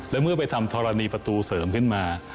แล้วเมื่อไปทำธรณีประตูเสริมขึ้นมา